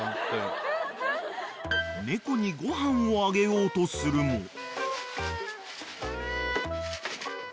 ［猫にご飯をあげようとするも］